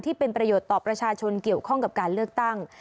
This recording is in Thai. ที่เป็นประโยชน์ต่อประชาชนเกี่ยวข้องกับการเลือกตั้ง